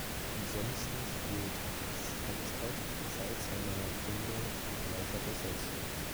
Ansonsten spielt das Sextett seit seiner Gründung in gleicher Besetzung.